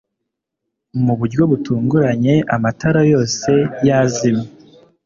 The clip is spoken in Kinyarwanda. mu buryo butunguranye, amatara yose yazimye